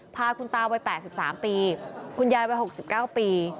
พาคุณตาวัย๘๓ปีคุณยายวัย๖๙ปี